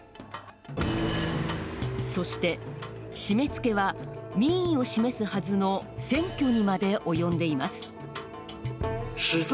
そして締めつけは民意を示すはずの選挙にまで及んでいます。